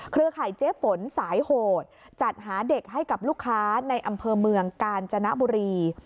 ข่ายเจ๊ฝนสายโหดจัดหาเด็กให้กับลูกค้าในอำเภอเมืองกาญจนบุรี